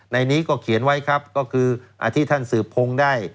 ในนี้ก็เขียนไว้ครับก็คือที่ท่านสืบพงศ์ได้